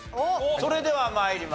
それでは参りましょう。